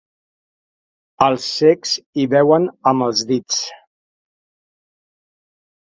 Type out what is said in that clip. Els cecs hi veuen amb els dits.